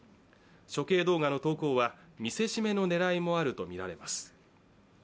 処刑動画の投稿は見せしめの狙いもあるということです。